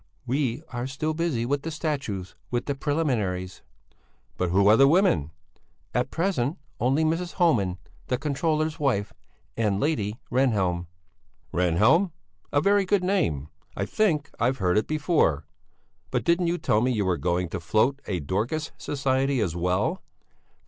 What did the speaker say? "We are still busy with the statutes, with the preliminaries." "But who are the women?" "At present only Mrs. Homan, the controller's wife, and Lady Rehnhjelm." "Rehnhjelm? A very good name! I think I've heard it before. But didn't you tell me you were going to float a Dorcas Society as well?"